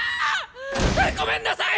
ごめんなさい！